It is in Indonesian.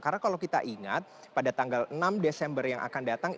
karena kalau kita ingat pada tanggal enam desember yang akan datang